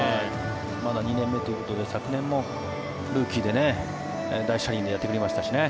まだ２年目ということで昨年も、ルーキーで大車輪でやってくれましたしね。